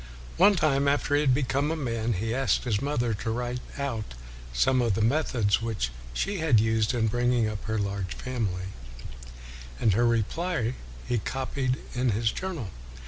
One time, after he had be come a man, he asked his mother to write out some of the methods which she had used in bringing up her large family, and her reply he copied in his journal.